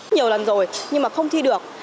nhiều lần rồi nhưng mà không thi được